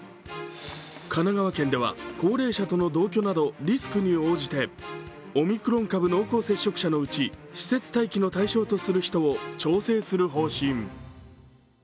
神奈川県では高齢者との同居などリスクに応じてオミクロン濃厚接触者のうち施設待機の対象とする人を調整する方針。